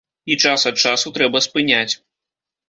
І час ад часу трэба спыняць.